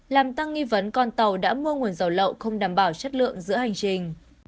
làm tăng nghi vấn con tàu đã mua nguồn dầu lậu không đảm bảo chất lượng giữa hành trình